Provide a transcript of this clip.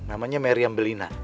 namanya meriam belina